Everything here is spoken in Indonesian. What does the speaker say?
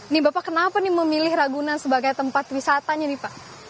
nih bapak kenapa nih memilih ragunan sebagai tempat wisatanya nih pak